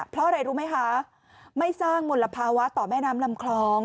เพราะอะไรรู้ไหมคะไม่สร้างมลภาวะต่อแม่น้ำลำคลอง